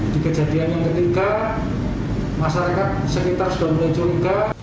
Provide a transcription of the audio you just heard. di kejadian yang ketiga masyarakat sekitar sudah mulai curiga